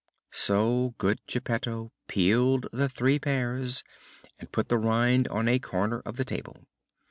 So good Geppetto peeled the three pears and put the rind on a corner of the table.